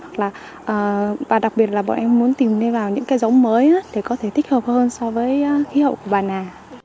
hoặc là đặc biệt là bọn em muốn tìm nên vào những cái giống mới để có thể tích hợp hơn so với khí hậu của bà nà